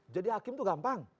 jadi hakim itu gampang